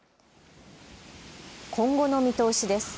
今後の見通しです。